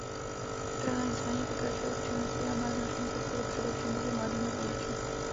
Strana nicméně pokračuje v činnosti a má značnou podporu především mezi mladými voliči.